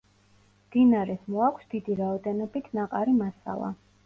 მდინარეს მოაქვს დიდი რაოდენობით ნაყარი მასალა.